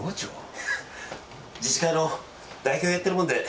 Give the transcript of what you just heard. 自治会の代表やってるもんで。